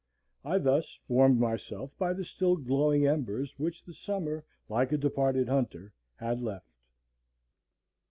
I thus warmed myself by the still glowing embers which the summer, like a departed hunter, had left.